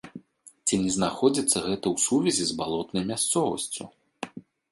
Ці не знаходзіцца гэта ў сувязі з балотнай мясцовасцю?